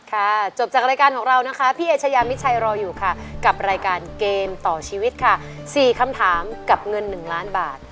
จบจากรายการของเรานะคะพี่เอชยามิชัยรออยู่ค่ะกับรายการเกมต่อชีวิตค่ะ๔คำถามกับเงิน๑ล้านบาท